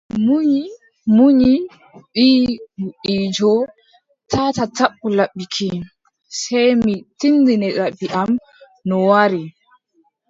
Munyi, munyi, wiʼi gudiijo : taataa tappu laɓi ki, sey mi tindine laɓi am no waari.